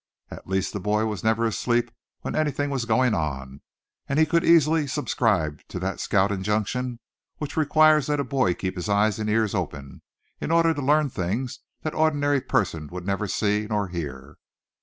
At least, the boy was never asleep when anything was going on; and he could easily subscribe to that scout injunction which requires that a boy keep his eyes and ears open, in order to learn things the ordinary person would never see nor hear.